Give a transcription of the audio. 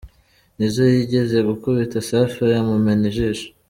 Nizzo yigeze gukubita Safi amumena ijisho.